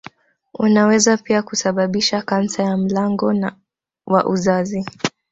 Wanaweza pia kusababisha kansa ya mlango wa uzazi